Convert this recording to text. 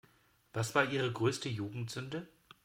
Was war Ihre größte Jugendsünde?